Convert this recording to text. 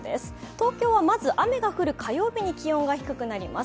東京はまず雨が降る火曜日に気温が低くなります。